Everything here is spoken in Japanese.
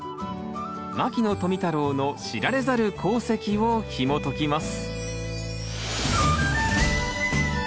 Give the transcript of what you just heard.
牧野富太郎の知られざる功績をひもときます